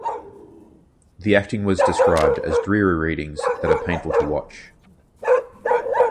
The acting was described as "dreary readings that are painful to watch".